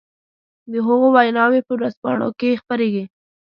د هغو ويناوې په ورځپانو کې خپرېږي.